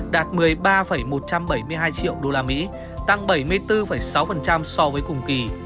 đạt một mươi ba một trăm bảy mươi hai triệu đô la mỹ tăng bảy mươi bốn sáu so với cùng kỳ